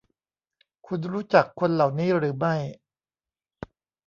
คุณรู้จักคนเหล่านี้หรือไม่